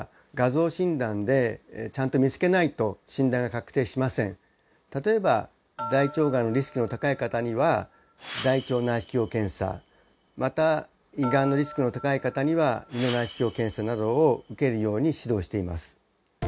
私達のですので例えば大腸がんのリスクの高い方には大腸内視鏡検査また胃がんのリスクの高い方には胃の内視鏡検査などを受けるように指導しています